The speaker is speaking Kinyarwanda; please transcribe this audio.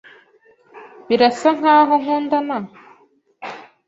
Birasa nkaho nkundana?